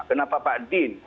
kenapa pak din